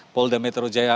polda metro jaya akan